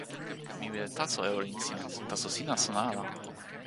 mi wile taso e olin sina, taso sina sona ala.